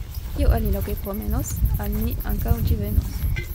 Kio aliloke promenos, al ni ankaŭ ĝi venos.